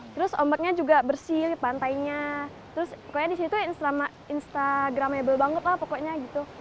terus ombaknya juga bersih pantainya terus pokoknya disitu instagramable banget lah pokoknya gitu